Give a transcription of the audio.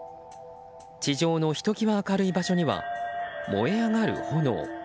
地上のひときわ明るい場所には燃え上がる炎。